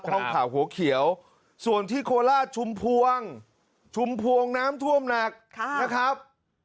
ห้องข่าวหัวเขียวส่วนที่โคราชชุมพวงชุมพวงน้ำท่วมหนักนะครับ